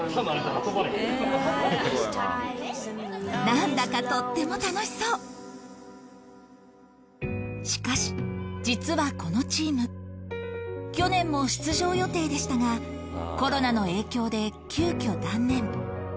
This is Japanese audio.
何だかとっても楽しそうしかし実はこのチーム去年も出場予定でしたがコロナの影響で急きょ断念